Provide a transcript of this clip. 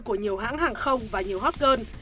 của nhiều hãng hàng không và nhiều hot gun